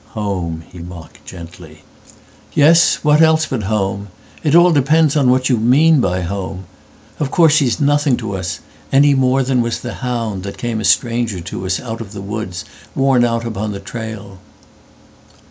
"Home," he mocked gently."Yes, what else but home? It all depends on what you mean by home. Of course he's nothing to us, any moreThan was the hound that came a stranger to usOut of the woods, worn out upon the trail."